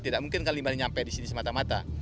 tidak mungkin kan limbah ini sampai di sini semata mata